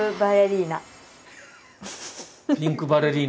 ピンクバレリーナ。